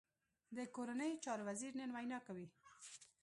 د کورنیو چارو وزیر نن وینا کوي